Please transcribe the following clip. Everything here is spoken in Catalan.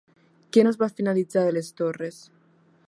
Què no es va finalitzar de les torres?